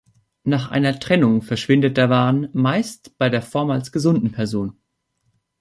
Nach einer Trennung verschwindet der Wahn meist bei der vormals gesunden Person.